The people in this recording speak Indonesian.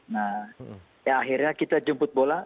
nah ya akhirnya kita jemput bola